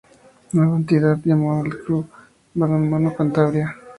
La nueva entidad se llamó Club Balonmano Cantabria.